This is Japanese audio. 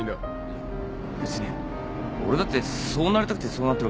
いや別に俺だってそうなりたくてそうなってるわけじゃないんだからさ。